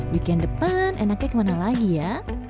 weekend depan enaknya kemana lagi ya